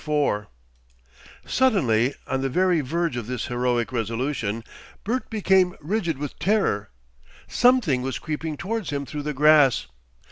4 Suddenly, on the very verge of this heroic resolution, Bert became rigid with terror. Something was creeping towards him through the grass.